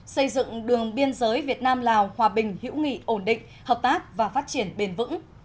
xây dựng đường biên giới việt nam lào hòa bình hữu nghị ổn định hợp tác và phát triển bền vững